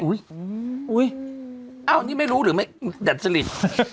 อุ้ยอุ้ยอ้าวนี่ไม่รู้หรือไม่แดดสลิด